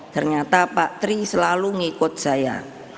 ternyata pak tri selalu ngikut saya